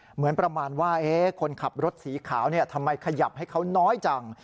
เหมือนประมาณว่าคนขับรถสีขาวทำไมขยับให้เขาน้อยจัง